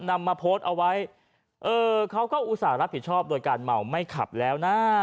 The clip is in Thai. นำมาโพสต์เอาไว้เออเขาก็อุตส่าห์รับผิดชอบโดยการเมาไม่ขับแล้วนะ